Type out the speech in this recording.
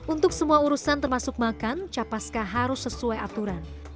untuk semua urusan termasuk makan capaska harus sesuai aturan